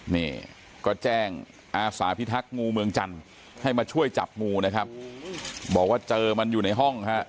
นี่ก็แจ้งอาสาพิทักษ์งูเมืองจันทร์ให้มาช่วยจับงูนะครับบอกว่าเจอมันอยู่ในห้องฮะ